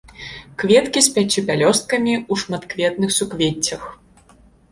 Кветкі з пяццю пялёсткамі, у шматкветных суквеццях.